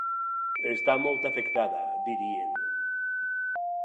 Està molt afectada, dirien.